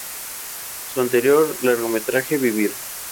Su anterior largometraje, "¡Vivir!